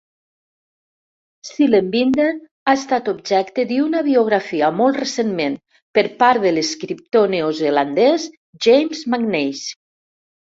Seelenbinder ha estat objecte d"una biografia molt recentment, per part de l"escriptor neozelandès James McNeish.